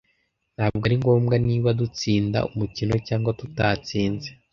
Ntabwo ari ngombwa niba dutsinda umukino cyangwa tutatsinze.